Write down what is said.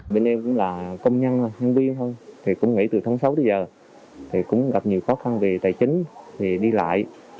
bên em cũng là công nhân nhân viên thôi thì cũng nghĩ từ tháng sáu tới giờ thì cũng gặp nhiều khó khăn về tài chính đi lại